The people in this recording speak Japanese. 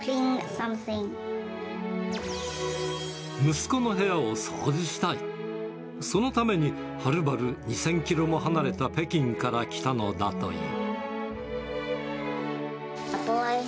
息子の部屋を掃除したい、そのために、はるばる２０００キロも離れた北京から来たのだという。